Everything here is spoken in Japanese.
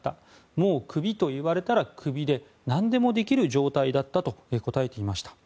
もうクビと言われたらクビで何でもできる状態だったと答えていました。